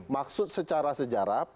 maksud secara sejarah